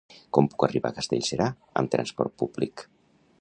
Com puc arribar a Castellserà amb trasport públic?